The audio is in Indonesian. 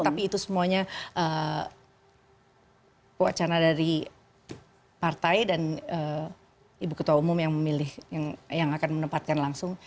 tapi itu semuanya wacana dari partai dan ibu ketua umum yang memilih yang akan menempatkan langsung